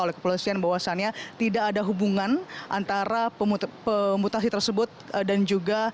oleh kepolisian bahwasannya tidak ada hubungan antara pemutasi tersebut dan juga